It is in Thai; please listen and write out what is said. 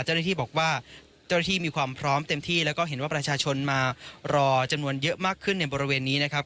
เจ้าหน้าที่บอกว่าเจ้าหน้าที่มีความพร้อมเต็มที่แล้วก็เห็นว่าประชาชนมารอจำนวนเยอะมากขึ้นในบริเวณนี้นะครับ